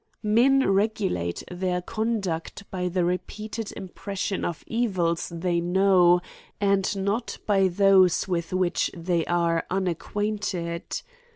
Men regulate their conduct by the repeated impression of evils they know, and not by those with which they are unacquainted.